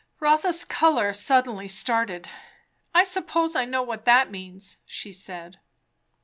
Rotha's colour suddenly started. "I suppose I know what that means!" she said.